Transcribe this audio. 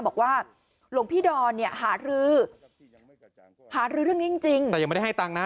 บอกว่าหลวงพี่ดอนเนี่ยหารือหารือเรื่องนี้จริงแต่ยังไม่ได้ให้ตังค์นะ